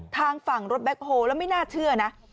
ทางฝั่งรถแบ็คโฮแล้วไม่น่าเชื่อนะ